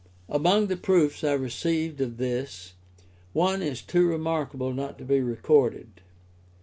Among the proofs I received of this, one is too remarkable not to be recorded.